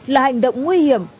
là hành động nguy hiểm